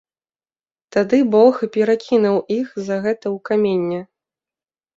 Тады бог і перакінуў іх за гэта ў каменне.